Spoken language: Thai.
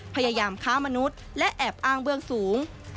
พยายามค้ามนุษย์และแอบอ้างเบื้องสูง